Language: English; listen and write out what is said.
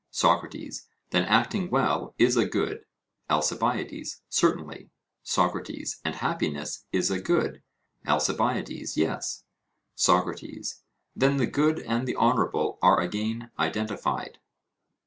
SOCRATES: Then acting well is a good? ALCIBIADES: Certainly. SOCRATES: And happiness is a good? ALCIBIADES: Yes. SOCRATES: Then the good and the honourable are again identified.